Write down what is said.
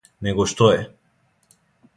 Него што је.